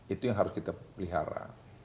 itu yang harus kita pelihara